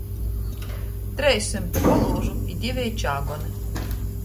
Treis symti bolūžu i diveji čāguoni.